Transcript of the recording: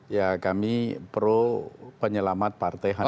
ya kami pro penyelamat partai hanura